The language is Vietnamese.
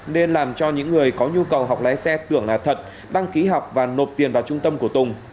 nên làm cho những người có nhu cầu học lái xe tưởng là thật đăng ký học và nộp tiền vào trung tâm của tùng